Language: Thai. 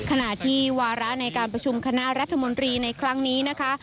ขณะที่วาระในการประชุมคณะรัฐมนตรีในครั้งนี้นะคะ